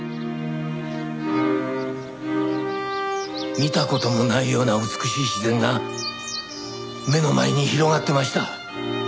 見た事もないような美しい自然が目の前に広がってました。